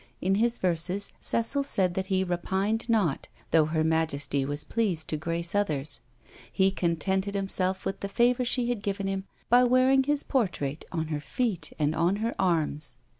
In his verses Cecil said that he repined not, though her majesty was pleased to grace others; he contented himself with the favour she had given him by wearing his portrait on her feet and on her arms!